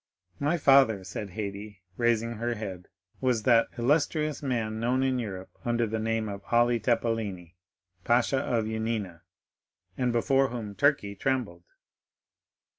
My father," said Haydée, raising her head, "was that illustrious man known in Europe under the name of Ali Tepelini, pasha of Yanina, and before whom Turkey trembled."